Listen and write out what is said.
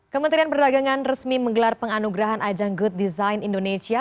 kementerian perdagangan resmi menggelar penganugerahan ajang good design indonesia